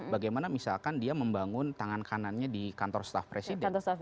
bagaimana misalkan dia membangun tangan kanannya di kantor staff presiden